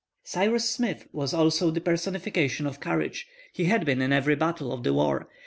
Cyrus Smith was also the personification of courage. He had been in every battle of the war.